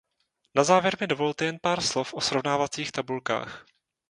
Na závěr mi dovolte jen pár slov o srovnávacích tabulkách.